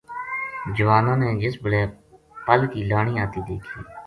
جواناں نے جس بیلے پل کی لانی آتی دیکھی